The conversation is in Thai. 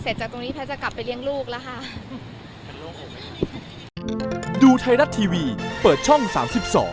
จากตรงนี้แพทย์จะกลับไปเลี้ยงลูกแล้วค่ะ